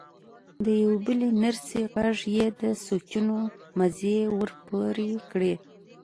د يوې بلې نرسې غږ يې د سوچونو مزی ور پرې کړ.